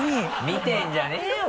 見てるんじゃねぇよ